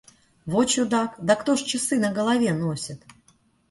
Во чудак! Да кто ж часы на голове носит?